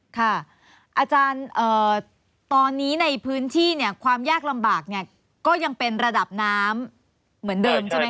อาจารย์ตอนนี้ในพื้นที่เนี่ยความยากลำบากเนี่ยก็ยังเป็นระดับน้ำเหมือนเดิมใช่ไหมค